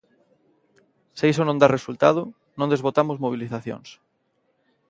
Se iso non dá resultado, non desbotamos mobilizacións.